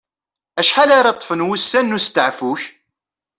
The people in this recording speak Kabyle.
Acḥal ara ṭṭfen wussan n usteɛfu-k?